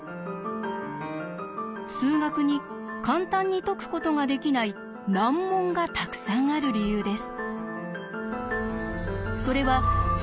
数学に簡単に解くことができない難問がたくさんある理由です。